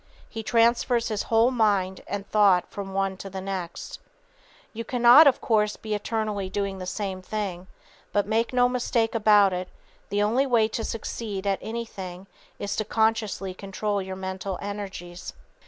He transfers his whole mind and thought from one to the next. You cannot of course be eternally doing the same thing; but make no mistake about it, the only way to succeed at anything is to consciously control your mental energies.